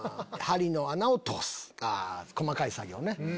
⁉細かい作業ね。